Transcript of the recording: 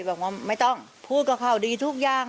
บอกว่าไม่ต้องพูดกับเขาดีทุกอย่าง